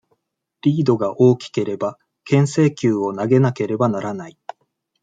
リードが大きければ、牽制球を投げなければならない。